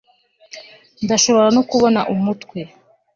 ndashobora no kubona umutwe